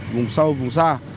vùng sâu vùng xa